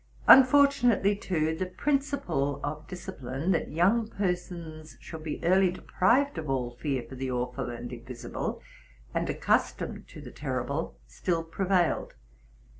Unfortunately, too, the principle of dis cipline, that young persons should be early deprived of all fear for the awful and invisible, and accustomed to the terri ble, still prevailed.